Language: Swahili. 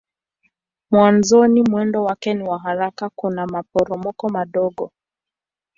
Mwanzoni mwendo wake ni wa haraka kuna maporomoko madogo.